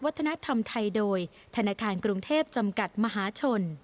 วัฒนธรรมไทยโดยธนาคารกรุงเทพจำกัดมหาชน